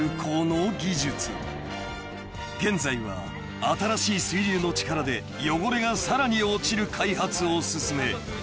［現在は新しい水流の力で汚れがさらに落ちる開発を進め］